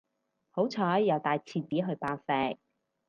好彩有帶廁紙去爆石